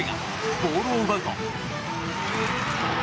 ボールを奪うと。